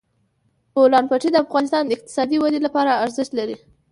د بولان پټي د افغانستان د اقتصادي ودې لپاره ارزښت لري.